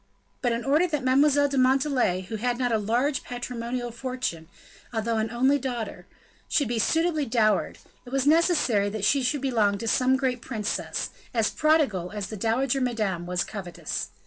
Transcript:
But, in order that Mademoiselle de Montalais, who had not a large patrimonial fortune, although an only daughter, should be suitably dowered, it was necessary that she should belong to some great princess, as prodigal as the dowager Madame was covetous.